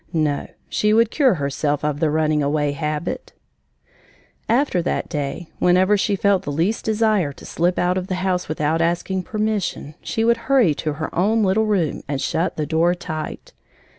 No she would cure herself of the running away habit! After that day, whenever she felt the least desire to slip out of the house without asking permission, she would hurry to her own little room and shut the door tight.